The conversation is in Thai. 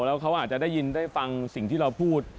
แล้วเขาอาจจะได้ยินได้ฟังสิ่งที่เราพูด